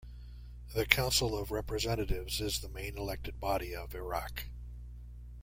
The Council of Representatives is the main elected body of Iraq.